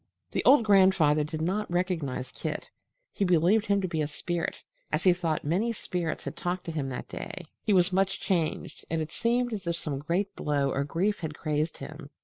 The old grandfather did not recognize Kit. He believed him a spirit, as he thought many spirits had talked to him that day. He was much changed, and it seemed as if some great blow or grief had crazed him.